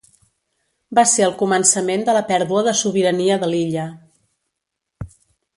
Va ser el començament de la pèrdua de sobirania de l'illa.